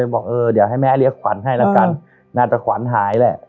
บอกเออเดี๋ยวให้แม่เรียกขวัญให้แล้วกันน่าจะขวัญหายแหละ